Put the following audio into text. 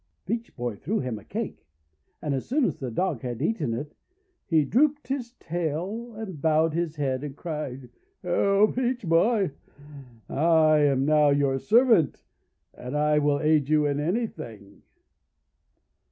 Peach Boy threw him a cake. And as soon as the Dog had eaten it, he drooped his tail and bowed his head and cried :— "Peach Boy, I am now your servant and will aid you in anything."